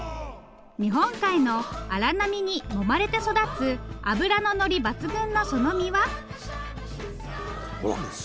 日本海の荒波にもまれて育つ脂の乗り抜群のその身は？